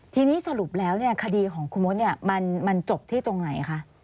ทีนี้สรุปแล้วคดีของคุณมดมันจบที่ตรงไหนคะ